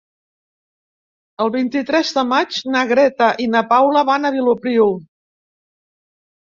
El vint-i-tres de maig na Greta i na Paula van a Vilopriu.